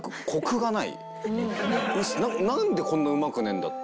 なんでこんなうまくねえんだって。